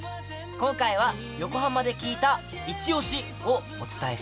今回は横浜で聞いたいちオシをお伝えします！